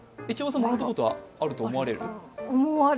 もらったことあると思われる？